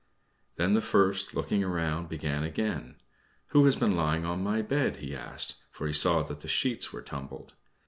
Then the first, looking round, began again, "Who has been lying on my bed?" he asked, for he saw that the sheets were tumbled.